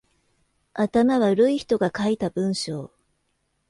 頭悪い人が書いた文章